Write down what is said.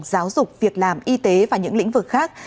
giáo dục việc làm y tế và những lĩnh vực khác